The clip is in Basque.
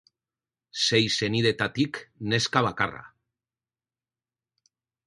Sei senidetatik neska bakarra.